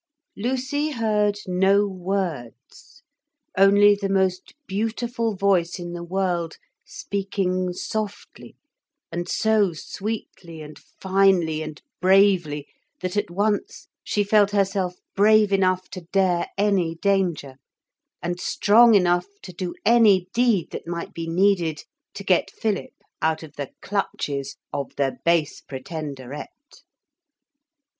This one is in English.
Lucy heard no words, only the most beautiful voice in the world speaking softly, and so sweetly and finely and bravely that at once she felt herself brave enough to dare any danger, and strong enough to do any deed that might be needed to get Philip out of the clutches of the base Pretenderette.